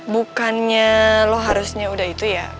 bukannya lo harusnya udah itu ya